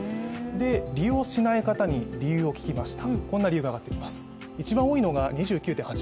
利用しない方に理由を聞きました。